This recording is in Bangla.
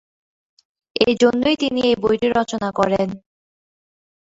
এই জন্যই তিনি এই বইটি রচনা করেন।